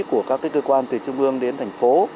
của các cơ quan từ trung ương đến thành phố